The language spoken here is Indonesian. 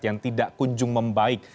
yang tidak kunjung membaik